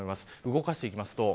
動かしていきます。